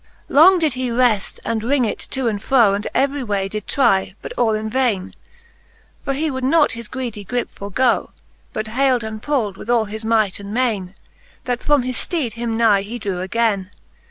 VII. Long did he wreft and wring it to and fro. And every way did try, but all in vaine ; For he would not his greedie gripe forgoe. But hay Id and puld with all his might and maine, That from his fleed him nigh he drew againe.